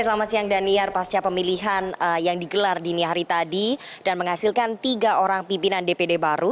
selamat siang daniar pasca pemilihan yang digelar dini hari tadi dan menghasilkan tiga orang pimpinan dpd baru